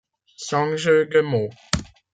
Sans jeu de mots.